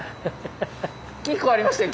金庫ありましたよ